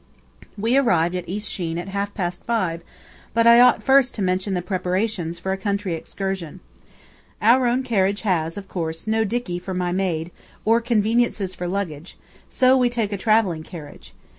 We arrived at East Sheen at half past five; but I ought first to mention the preparations for a country excursion. Our own carriage has, of course, no dickey for my maid, or conveniences for luggage, so we take a travelling carriage.